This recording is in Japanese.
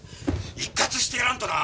一喝してやらんとな！